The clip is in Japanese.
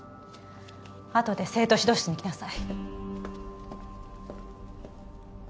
あとで生徒指導室に来なさい